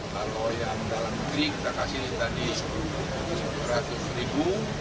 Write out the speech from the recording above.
kalau yang dalam negeri kita kasih tadi seratus ribu